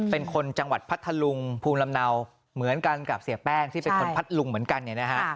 เป็นคนจังหวัดพัทธลุงภูมิลำเนาเหมือนกันกับเสียแป้งที่เป็นคนพัทลุงเหมือนกันเนี่ยนะฮะ